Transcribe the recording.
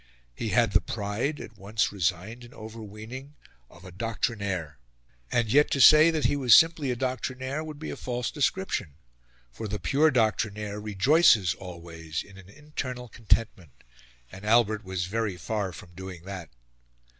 He had the pride, at once resigned and overweening, of a doctrinaire. And yet to say that he was simply a doctrinaire would be a false description; for the pure doctrinaire rejoices always in an internal contentment, and Albert was very far from doing that.